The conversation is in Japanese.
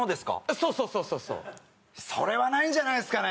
そうそうそうそうそうそれはないんじゃないっすかね？